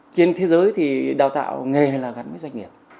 trên thế giới thì đào tạo nghề là gắn với doanh nghiệp